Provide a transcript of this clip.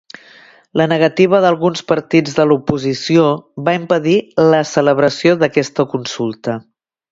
La negativa d'alguns partits de l'oposició va impedir la celebració d'aquesta consulta.